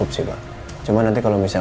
haziq mengucapkan randomized kemelahan feber